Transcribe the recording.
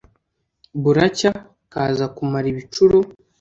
buracya kaza kumara ibicuro ".